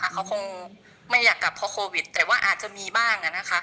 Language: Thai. เขาคงไม่อยากกลับเพราะโควิดแต่ว่าอาจจะมีบ้าง